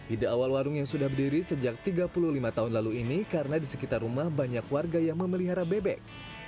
ide awal warung yang sudah berdiri sejak tiga puluh lima tahun lalu ini karena di sekitar rumah banyak warga yang memelihara bebek